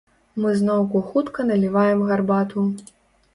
Мы зноўку хутка наліваем гарбату.